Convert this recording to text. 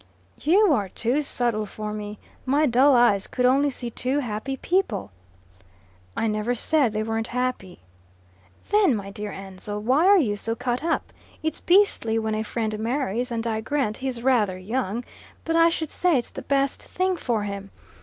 "You are too subtle for me. My dull eyes could only see two happy people." "I never said they weren't happy." "Then, my dear Ansell, why are you so cut up? It's beastly when a friend marries, and I grant he's rather young, but I should say it's the best thing for him.